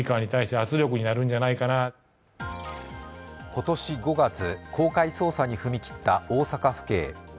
今年５月、公開捜査に踏み切った大阪府警。